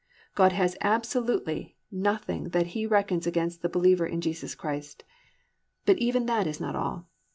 God has absolutely nothing that He reckons against the believer in Jesus Christ. But even that is not all.